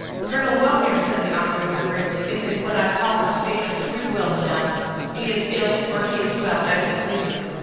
"Colonel Wellmere," said the operator, gravely, "is in what I call a state of free will, madam. He is ill, or he is well, as he pleases.